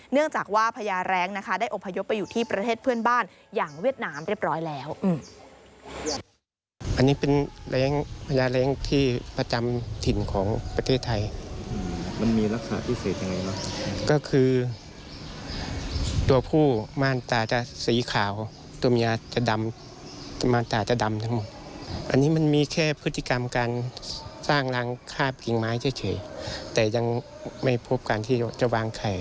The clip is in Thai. เนื่องจากว่าพญาแรงนะคะได้อบพยพไปอยู่ที่ประเทศเพื่อนบ้านอย่างเวียดนามเรียบร้อยแล้ว